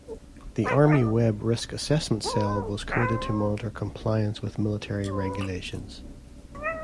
The Army Web Risk Assessment Cell was created to monitor compliance with military regulations.